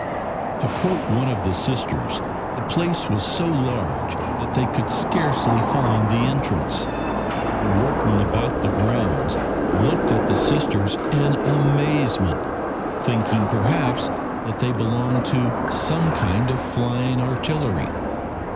To quote one of the Sisters, the place was so large that "they could scarcely find the entrance." The workmen about the grounds looked at the Sisters in amazement, thinking perhaps that they belonged to some flying artillery.